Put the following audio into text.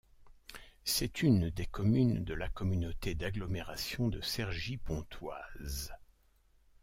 C'est une des communes de la communauté d'agglomération de Cergy-Pontoise.